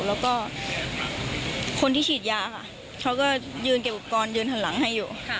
แล้วก็คนที่ฉีดยาค่ะเขาก็ยืนเก็บอุปกรณ์ยืนหันหลังให้อยู่